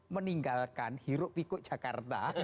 meninggalkan hirup pikuk jakarta